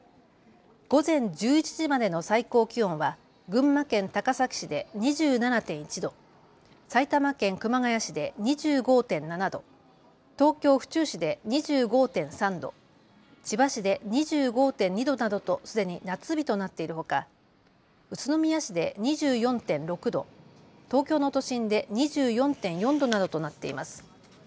午前１１時までの最高気温は群馬県高崎市で２７．１度、埼玉県熊谷市で２５．７度、東京府中市で２５．３度、千葉市で２５．２度などとすでに夏日となっているほか宇都宮市で２４．６度、東京の都心で２４．４度などとなっています。